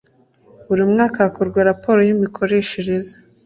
Buri mwaka hakorwa raporo y imikoreshereze